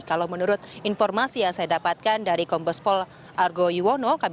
kalau menurut informasi yang saya dapatkan dari kombespol argo yuwono